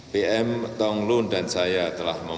pm tonglun dan saya telah